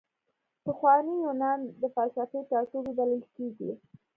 پخوانی یونان د فلسفې ټاټوبی بلل کیږي.